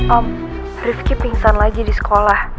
om rifki pingsan lagi di sekolah